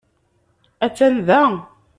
Attan da.